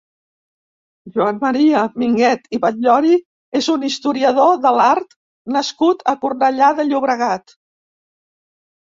Joan Maria Minguet i Batllori és un historiador de l'art nascut a Cornellà de Llobregat.